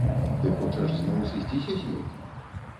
Ты хочаш зноў сысціся з ёй?